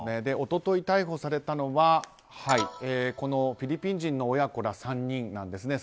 一昨日、逮捕されたのはフィリピン人の親子ら３人です。